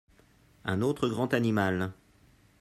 Un autre grand animal.